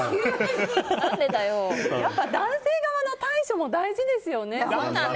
男性側の対処も大事ですよね。